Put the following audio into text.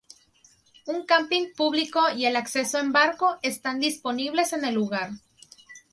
Un camping público y el acceso en barco están disponibles en el lugar.